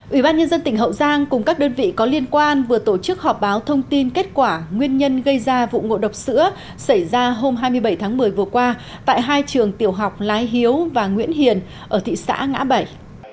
ủy ban nhân dân tỉnh hậu giang cùng các đơn vị có liên quan vừa tổ chức họp báo thông tin kết quả nguyên nhân gây ra vụ ngộ độc sữa xảy ra hôm hai mươi bảy tháng một mươi vừa qua tại hai trường tiểu học lái hiếu và nguyễn hiền ở thị xã ngã bảy